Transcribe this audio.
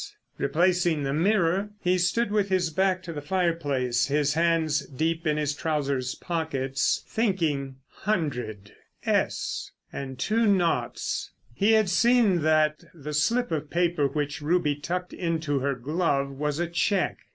Replacing the mirror he stood with his back to the fireplace, his hands deep in his trousers pockets, thinking. "Hundred," "s," and two naughts. He had seen that the slip of paper which Ruby tucked into her glove was a cheque.